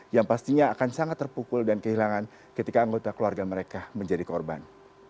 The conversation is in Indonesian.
yang pastinya akan sangat terpukul dan kehilangan ketika anggota keluarga mereka menjadi korban